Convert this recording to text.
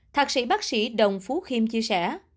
thạc sĩ bác sĩ đồng phú khiêm chia sẻ